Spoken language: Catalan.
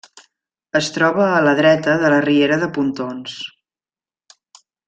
Es troba a la dreta de la riera de Pontons.